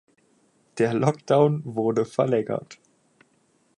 Der Lockdown wurde verlängert.